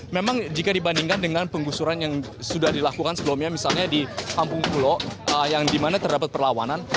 memang jika dibandingkan dengan penggusuran yang sudah dilakukan sebelumnya misalnya di kampung pulo yang dimana terdapat perlawanan